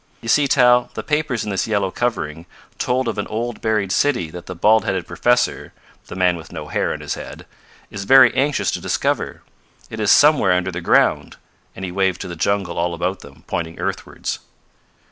You see, Tal, the papers in this yellow covering, told of an old buried city that the bald headed professor the man with no hair on his head is very anxious to discover. It is somewhere under the ground," and he waved to the jungle all about them, pointing earthwards.